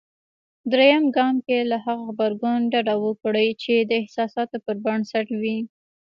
درېم ګام کې له هغه غبرګون ډډه وکړئ. چې د احساساتو پر بنسټ وي.